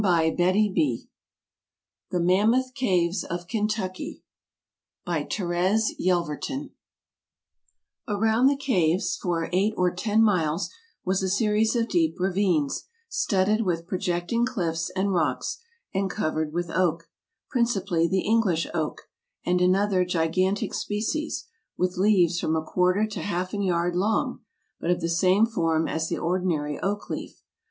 AMERICA The Mammoth Cave of Kentucky By THERESE YELVERTON AROUND the caves, for eight or ten miles, was a series of deep ravines, studded with projecting cliffs and rocks, and covered with oak — principally the English oak — and another gigantic species, with leaves from a quarter to half a yard long, but of the same form as the ordinary oak leaf.